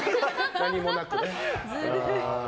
何もなくね。